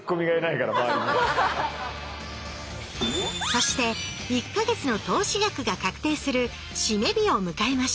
そして１か月の投資額が確定する締め日を迎えました。